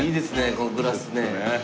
このグラスね。